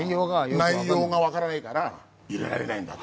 内容がわからないから入れられないんだと。